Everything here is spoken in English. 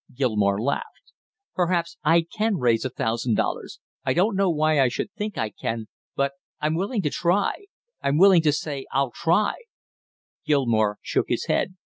Gilmore laughed. "Perhaps I can raise a thousand dollars. I don't know why I should think I can, but I'm willing to try; I'm willing to say I'll try " Gilmore shook his head.